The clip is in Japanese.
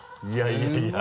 いやいや。